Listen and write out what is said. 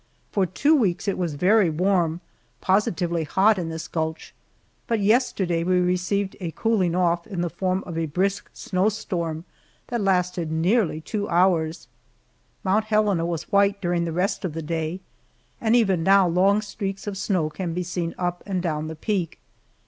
For two weeks it was very warm, positively hot in this gulch, but yesterday we received a cooling off in the form of a brisk snowstorm that lasted nearly two hours. Mount Helena was white during the rest of the day, and even now long streaks of snow can be seen up and down the peak.